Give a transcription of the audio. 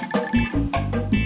di mana dia